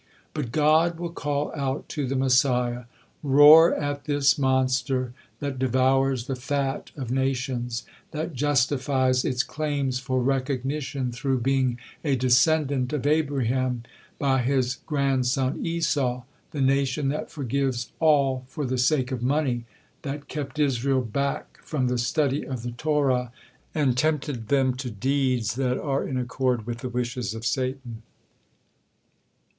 But God will call out to the Messiah: "Roar at this monster that devours the fat of nations, that justifies its claims for recognition through being a descendant of Abraham by his grandson Esau, the nation that forgives all for the sake of money, that kept Israel back from the study of the Torah, and tempted them to deeps that are in accord with the wishes of Satan."